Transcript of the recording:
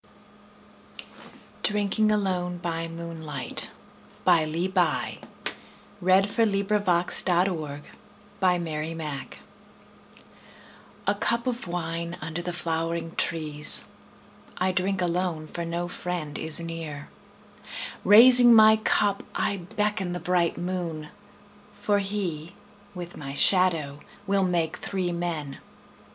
DRINKING ALONE BY MOONLIGHT [Three Poems] I A cup of wine, under the flowering trees; I drink alone, for no friend is near. Raising my cup I beckon the bright moon, For he, with my shadow, will make three men.